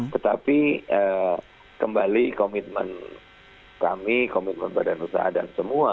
tetapi kembali komitmen kami komitmen badan usaha dan semua